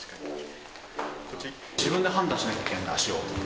自分で判断しなきゃいけないんだ、足を。